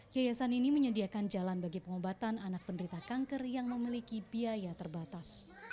yayasan ini menyediakan jalan bagi pengobatan anak penderita kanker yang memiliki biaya terbatas